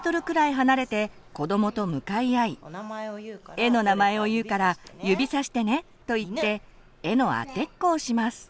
「絵の名前を言うから指さしてね」と言って絵の当てっこをします。